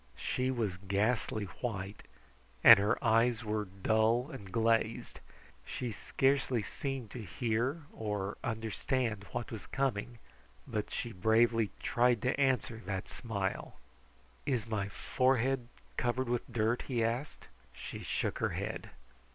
She was ghastly white, and her eyes were dull and glazed. She scarcely seemed to hear or understand what was coming, but she bravely tried to answer that smile. "Is my forehead covered with dirt?" he asked. She shook her head.